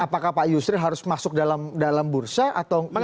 apakah pak yusril harus masuk dalam bursa atau